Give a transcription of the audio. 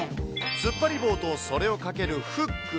突っ張り棒とそれをかけるフック。